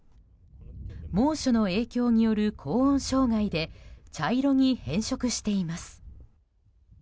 猛暑の影響による高温障害で茶色に変色しています。